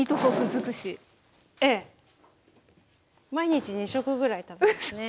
毎日２食ぐらい食べますね。